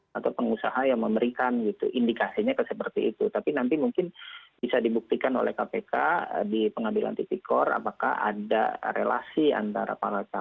ya kalau dilihat dari indikasinya ya beberapa kasus termasuk yang saat ini kan ada indikasi berikan karpet merah kepada tim sukses gitu ya